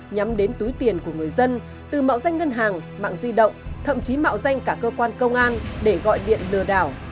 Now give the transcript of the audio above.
nhắm đến túi tiền của người dân từ mạo danh ngân hàng mạng di động thậm chí mạo danh cả cơ quan công an để gọi điện lừa đảo